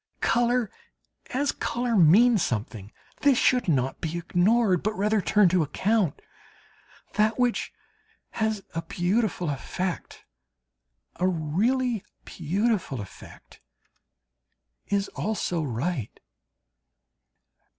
Colour as colour means something; this should not be ignored, but rather turned to account. That which has a beautiful effect, a really beautiful effect, is also right.